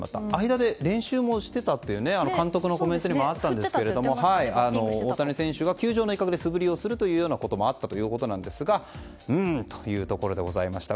間で練習もしていたという監督のコメントにもあったんですが大谷選手が球場の一角で素振りをするようなこともあったということですがうーんというところでございました。